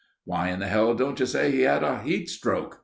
"Why in the hell don't you say he had a heat stroke?"